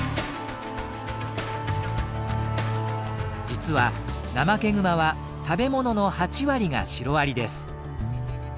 実はナマケグマは食べ物の８割がシロアリです。